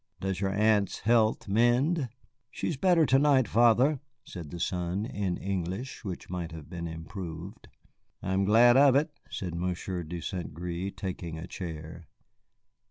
"Does your aunt's health mend?" "She is better to night, father," said the son, in English which might have been improved. "I am glad of it," said Monsieur de St. Gré, taking a chair.